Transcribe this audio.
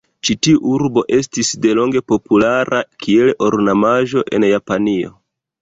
Ĉi tiu arbo estis delonge populara kiel ornamaĵo en Japanio.